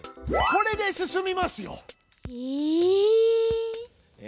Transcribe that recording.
これで進みますよ！え！？